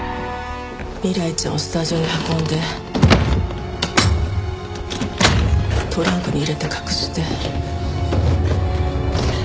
未来ちゃんをスタジオに運んでトランクに入れて隠して。